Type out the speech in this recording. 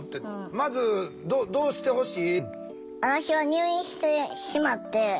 まずどうしてほしい？